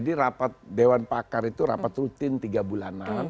rapat dewan pakar itu rapat rutin tiga bulanan